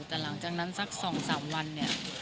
แต่หลังจากนั้นสัก๒๓วันเนี่ย